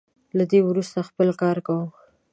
له دې وروسته خپل کار کوم.